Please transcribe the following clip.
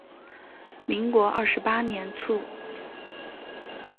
民国二十八年卒。